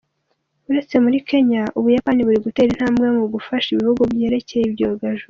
Uretse muri Kenya, u Buyapani buri gutera intambwe mu gufasha ibihugu mu byerekeye ibyogajuru.